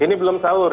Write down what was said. ini belum sahur